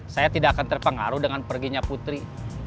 saya tidak akan terpengaruh dengan perginya putri